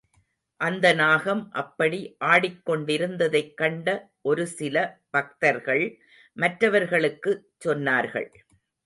அந்த நாகம் அப்படி ஆடிக் கொண்டிருந்ததைக் கண்ட ஒரு சில பக்தர்கள் மற்றவர்களுக்கு சொன்னார்கள்.